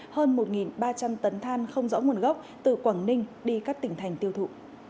hơn một ba trăm linh tấn than không rõ nguồn gốc từ quảng ninh đi các tỉnh thành tiêu thụ